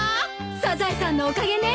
サザエさんのおかげね！